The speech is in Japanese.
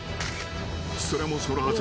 ［それもそのはず。